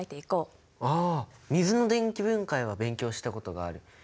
あ水の電気分解は勉強したことがある。